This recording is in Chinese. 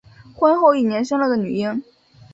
婚后一年生了个女婴